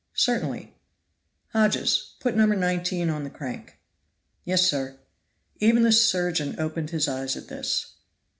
"Certainly." "Hodges, put No. 19 on the crank." "Yes, sir." Even the surgeon opened his eyes at this.